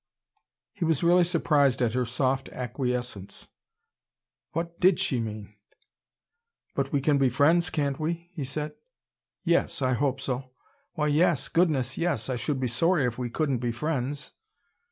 He was really surprised at her soft acquiescence. What did she mean? "But we can be friends, can't we?" he said. "Yes, I hope so. Why, yes! Goodness, yes! I should be sorry if we couldn't be friends."